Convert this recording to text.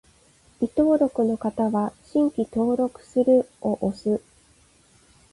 未登録の方は、「新規登録する」を押す